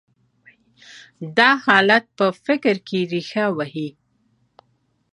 دا حالت په فکر کې رېښه وهي.